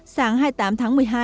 tháng hai mươi tám tháng một mươi hai